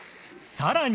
さらに。